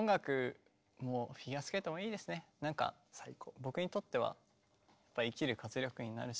僕にとってはやっぱ生きる活力になるし。